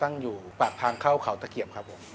ตั้งอยู่ปากทางเข้าเขาตะเกียบครับผม